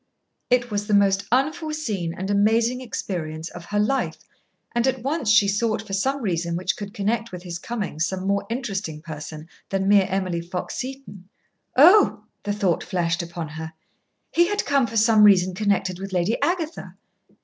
It was the most unforeseen and amazing experience of her life, and at once she sought for some reason which could connect with his coming some more interesting person than mere Emily Fox Seton. Oh, the thought flashed upon her, he had come for some reason connected with Lady Agatha.